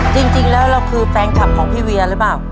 จริงแล้วเราคือแฟนคลับของพี่เวียหรือเปล่า